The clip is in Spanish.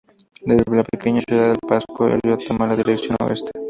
Desde la pequeña ciudad de Pasco, el río toma la dirección oeste.